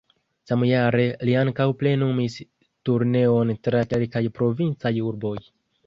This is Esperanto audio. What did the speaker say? Samjare li ankaŭ plenumis turneon tra kelkaj provincaj urboj.